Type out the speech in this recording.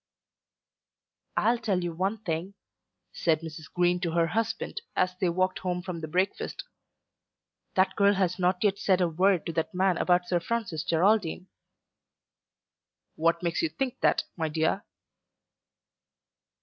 "I'll tell you one thing," said Mrs. Green to her husband as they walked home from the breakfast. "That girl has not yet said a word to that man about Sir Francis Geraldine." "What makes you think that, my dear?"